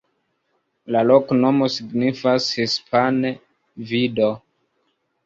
La loknomo signifas hispane: vido.